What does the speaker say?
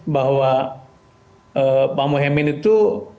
bahwa pak mohaimin itu